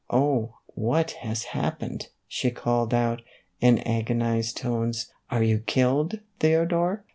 " Oh, what has happened ?" she called out, in agonized tones. " Are you killed, Theodore